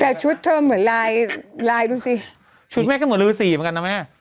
แต่ชุดเธอเหมือนลายลายดูสิชุดแม่ก็เหมือนฤษีเหมือนกันนะแม่